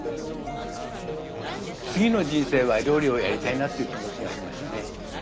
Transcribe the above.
次の人生は料理をやりたいなっていう気持ちがありましたね。